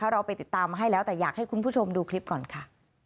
เราไปติดตามมาให้แล้วแต่อยากให้คุณผู้ชมดูคลิปก่อนค่ะ